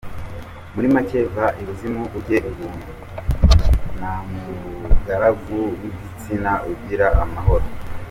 Muri make va ibuzimu ujye ubuntu, nta mugaragu w’igitsina ugira amahoro.